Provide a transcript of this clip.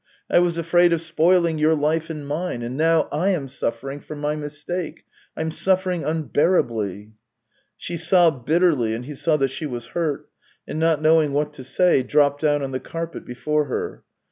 I was afraid of spoiling your life and mine. And now I am suffering for my mistake. I'm suffering unbearably !" She sobbed bitterly, and he saw that she was hurt ; and not knowing what to say, dropped down on the carpet before her.